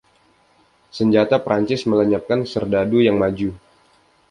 Senjata Prancis melenyapkan serdadu yang maju.